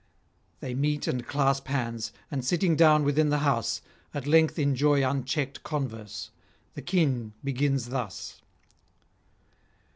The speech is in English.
They meet and clasp hands, and, sitting down within the house, at length enjoy unchecked converse. The King begins thus